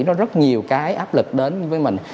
nó rất nhiều cái áp lực đến với mình